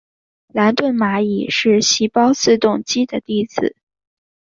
兰顿蚂蚁是细胞自动机的例子。